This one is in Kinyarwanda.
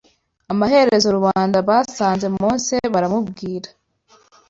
Amaherezo rubanda basanze Mose baramubwira